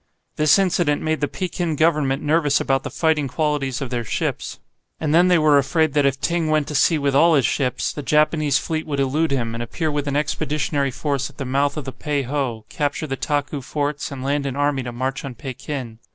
This incident made the Pekin Government nervous about the fighting qualities of their ships. And then they were afraid that if Ting went to sea with all his ships, the Japanese fleet would elude him, and appear with an expeditionary force at the mouth of the Pei ho, capture the Taku forts, and land an army to march on Pekin.